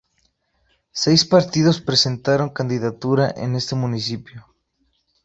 Seis partidos presentaron candidatura en este municipio.